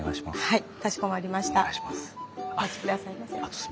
はい。